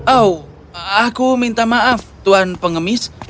oh aku minta maaf tuan pengemis